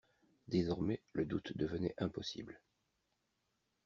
Désormais le doute devenait impossible.